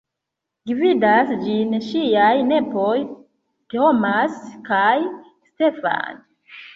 Gvidas ĝin ŝiaj nepoj Thomas kaj Stephan.